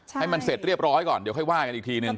ให้มันเสร็จเรียบร้อยก่อนเดี๋ยวค่อยว่ากันอีกทีนึง